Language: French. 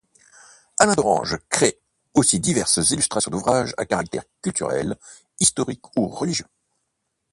Alain d'Orange crée aussi diverses illustrations d'ouvrages à caractère culturel, historique ou religieux.